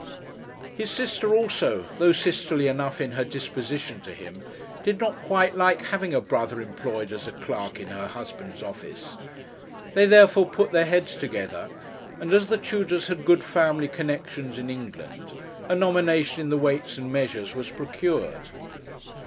His sister also, though sisterly enough in her disposition to him, did not quite like having a brother employed as a clerk in her husband's office. They therefore put their heads together, and, as the Tudors had good family connexions in England, a nomination in the Weights and Measures was procured.